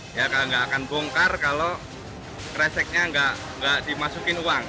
dia nggak akan bongkar kalau kreseknya nggak dimasukin uang